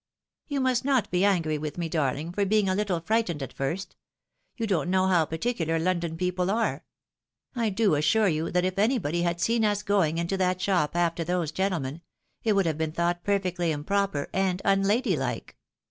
" You must not be angry with me, darling, for being a Httle frightened at iirst. You don't know how partieulai^ London people are ! I do assure you, that if anybody had seen us going into that shop after those gentlemen, it would have been thought perfectly improper and imladyhke.